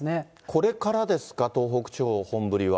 これからですか、東北地方、本降りは。